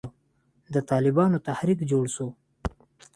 د طالبانو تحريک جوړ سو.